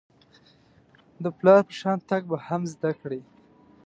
د پلار په شان تګ به هم زده کړئ .